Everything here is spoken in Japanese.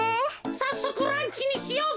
さっそくランチにしようぜ！